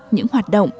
những hoạt động